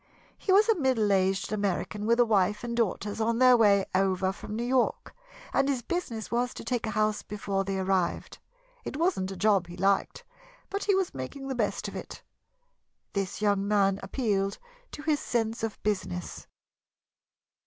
He was a middle aged American with a wife and daughters on their way over from New York, and his business was to take a house before they arrived. It wasn't a job he liked, but he was making the best of it. This young man appealed to his sense of business.